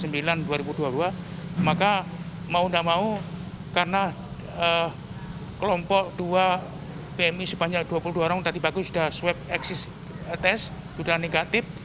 maka mau tidak mau karena kelompok dua pmi sebanyak dua puluh dua orang tadi bagus sudah swab eksis tes sudah negatif